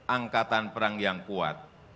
angkatan perang yang kuat